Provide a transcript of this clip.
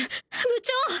部長！